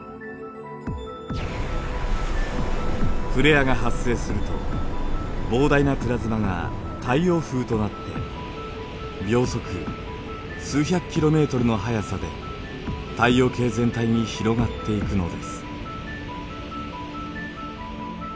フレアが発生すると膨大なプラズマが太陽風となって秒速数百キロメートルの速さで太陽系全体に広がっていくのです。